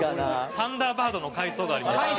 サンダーバードの回送がありますから。